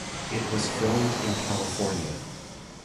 It was filmed in California.